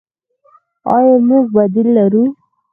آیا موږ بدیل لرو؟